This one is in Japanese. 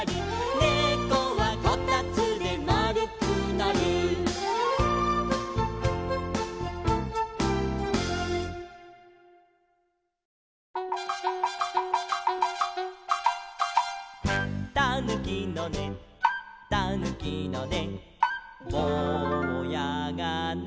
「ねこはこたつで丸くなる」「たぬきのねたぬきのねぼうやがね」